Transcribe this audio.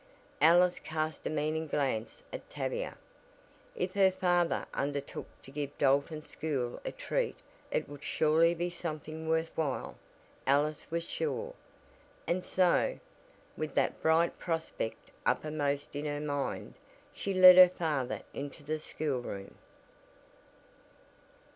Alice cast a meaning glance at Tavia. If her father undertook to give Dalton school a treat it would surely be something worth while, Alice was sure, and so, with that bright prospect uppermost in her mind, she led her father into the school room.